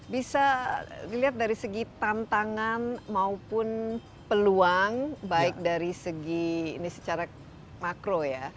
bisa dilihat dari segi tantangan maupun peluang baik dari segi ini secara makro ya